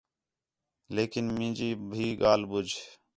لیکن مینی بھی ڳالھ ٻُجھ